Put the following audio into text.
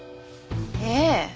ええ。